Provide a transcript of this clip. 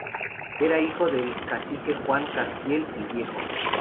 Era hijo del cacique Juan Catriel ""el Viejo"".